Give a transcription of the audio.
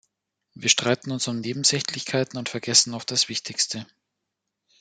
Wir streiten uns um Nebensächlichkeiten und vergessen oft das Wichtigste.